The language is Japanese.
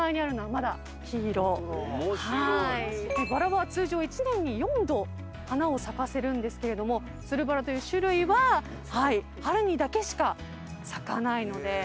バラは通常１年に４度花を咲かせるんですけれどもつるバラという種類は春にだけしか咲かないので。